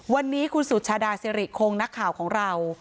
วันนี้คุณสุชาดาสิริคงนักข่าวของเรา